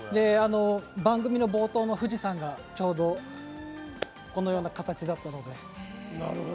番組の冒頭の富士山がちょうどこのような形だったので。